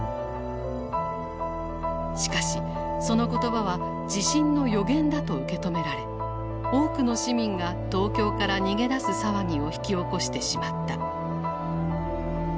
しかしその言葉は地震の予言だと受け止められ多くの市民が東京から逃げ出す騒ぎを引き起こしてしまった。